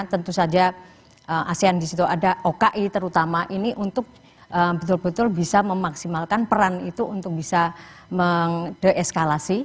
tentu saja asean di situ ada oki terutama ini untuk betul betul bisa memaksimalkan peran itu untuk bisa mendeeskalasi